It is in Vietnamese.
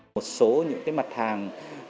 một số những cái mặt hàng